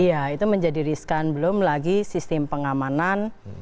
iya itu menjadi riskan belum lagi sistem pengamanan